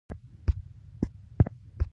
خلک د سولې ساتنې اړتیا احساس کړي.